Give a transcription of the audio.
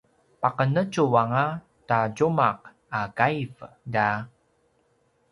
paqenetju anga ta tjumaq a kaiv lja!